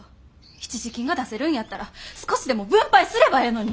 一時金が出せるんやったら少しでも分配すればええのに！